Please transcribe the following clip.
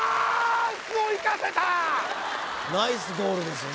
ナイスゴールですよ